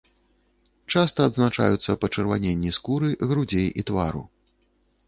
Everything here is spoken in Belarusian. Часта адзначаюцца пачырваненні скуры грудзей і твару.